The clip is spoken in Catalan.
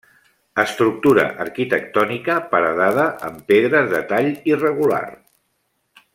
Estructura arquitectònica paredada amb pedres de tall irregular.